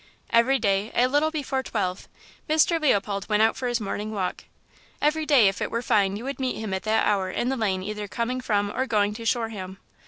Every day, a little before twelve, Mr. Leopold went out for his morning walk; every day if it were fine you would meet him at that hour in the lane either coming from or going to Shoreham.